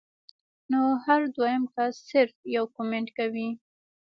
نو هر دويم کس صرف يو کمنټ کوي